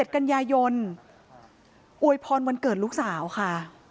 ๑กันยายนอวยพรวันเกิดลูกสาวค่ะ